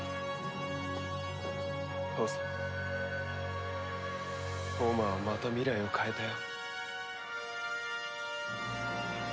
父さん飛羽真はまた未来を変えたよ。